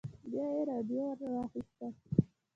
بيا يې راډيو ور واخيسته.